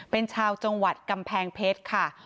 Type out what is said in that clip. เป็นชาวจังหวัดกำแพงเพชรค่ะ